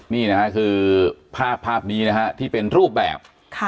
นี่นะครับคือภาพนี้นะครับที่เป็นรูปแบบ